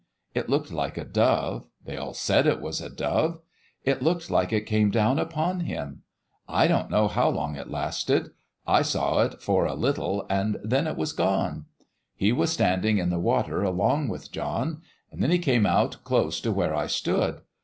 It looked like a dove they all said it was a dove. It looked like it came down upon Him. I don't know how long it lasted I saw it for a little and then it was gone. He was standing in the water along with John; then He came out close to where I stood.